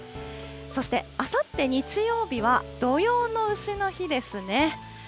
そしてあさって日曜日は、土用のうしの日ですね。